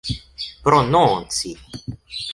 prononci